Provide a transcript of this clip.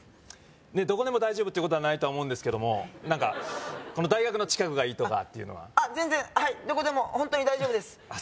どこでも大丈夫っていうことはないとは思うんですけども大学の近くがいいとかっていうのはあっ全然はいどこでもホントに大丈夫ですあっ